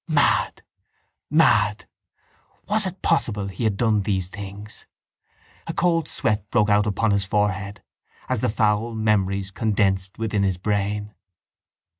Mad! Mad! Was it possible he had done these things? A cold sweat broke out upon his forehead as the foul memories condensed within his brain.